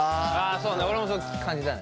それは俺もそう感じたね。